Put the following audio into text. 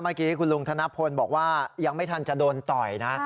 เมื่อกี้คุณลุงธนพลบอกว่ายังไม่ทันจะโดนต่อยนะ